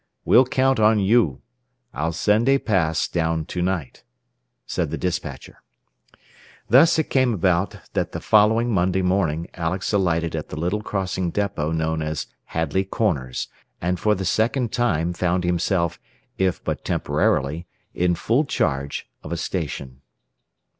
We'll count on you. I'll send a pass down to night," said the despatcher. Thus it came about that the following Monday morning Alex alighted at the little crossing depot known as Hadley Corners, and for the second time found himself, if but temporarily, in full charge of a station.